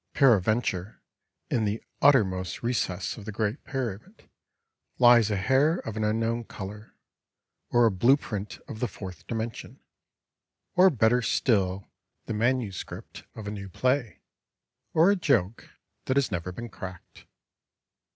Peradventure, in the uttermost recess of the Great Pyramid lies a hair of an unknown color, or a blueprint of the fourth dimension, or better still the ms. of a new play, or a joke that has never been cracked.